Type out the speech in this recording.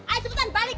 ayo sebutan balik